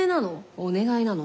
お願いなの？